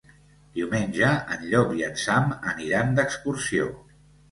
Diumenge en Llop i en Sam aniran d'excursió.